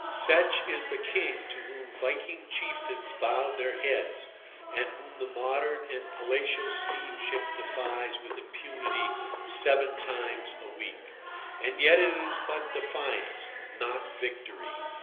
Such is the king to whom Viking chieftains bowed their heads, and whom the modern and palatial steamship defies with impunity seven times a week. And yet it is but defiance, not victory.